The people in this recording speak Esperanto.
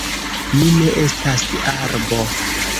Mi ne estas arbo.